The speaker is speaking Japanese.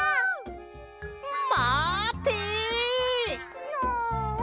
まて！のわ！